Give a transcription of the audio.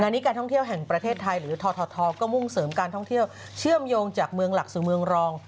นี้การท่องเที่ยวแห่งประเทศไทยหรือททก็มุ่งเสริมการท่องเที่ยวเชื่อมโยงจากเมืองหลักสู่เมืองรอง